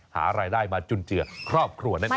หารายได้มาจุนเจือครอบครัวนั่นเอง